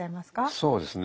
そうですね